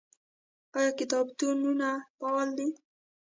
آیا کتابتونونه فعال دي؟